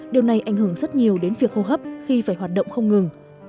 điều này ảnh hưởng rất nhiều đến việc hô hấp khi phải hoạt động không ngừng